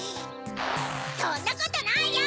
そんなことないよ！